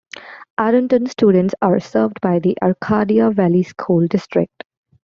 Ironton students are served by the Arcadia Valley School District.